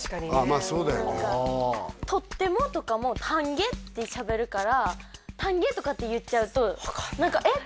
まあそうだよね「とっても」とかも「たんげ」ってしゃべるから「たんげ」とかって言っちゃうと何か「えっ？」